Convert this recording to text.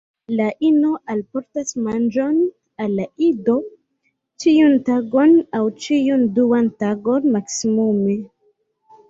La ino alportas manĝon al la ido ĉiun tagon aŭ ĉiun duan tagon maksimume.